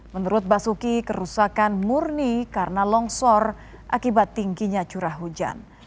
menurut basuki kerusakan murni karena longsor akibat tingginya curah hujan